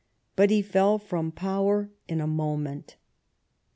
But he fell from power in a moment.